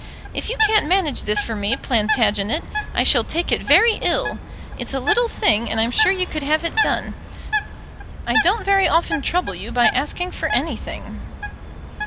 If you can't manage this for me, Plantagenet, I shall take it very ill. It's a little thing, and I'm sure you could have it done. I don't very often trouble you by asking for anything."